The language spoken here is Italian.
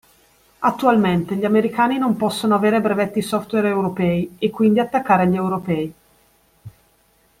Attualmente gli Americani non possono avere brevetti software Europei e quindi attaccare gli Europei.